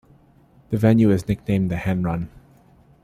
The venue is nicknamed "The Hen Run".